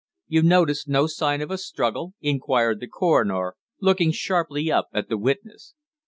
"You noticed no sign of a struggle?" inquired the coroner, looking sharply up at the witness.